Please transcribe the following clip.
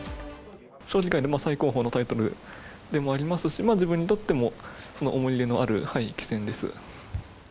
将棋界の最高峰のタイトルでもありますし、自分にとってもその思い入れのある棋戦です。